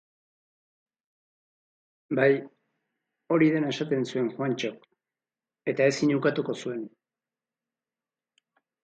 Bai, hori dena esaten zuen Juantxok, eta ezin ukatuko zuen.